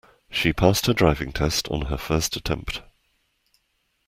She passed her driving test on her first attempt.